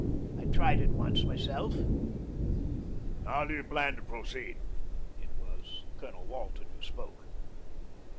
"I tried it once myself." "How do you plan to proceed?" It was Colonel Walton who spoke.